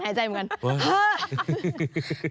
ดิฉันก็ถอนหายใจเหมือน